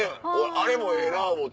あれもええな思うて。